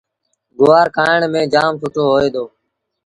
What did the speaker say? گُوآر کآڻ ميݩ جآم سُٺو هوئي دو۔